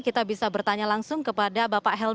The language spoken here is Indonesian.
kita bisa bertanya langsung kepada bapak helmi